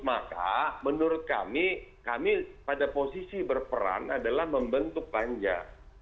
maka menurut kami kami pada posisi berperan adalah membentuk panja